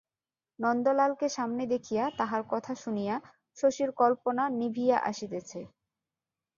নন্দলালকে সামনে দেখিয়া, তাহার কথা শুনিয়া, শশীর কল্পনা নিভিয়া আসিতেছে।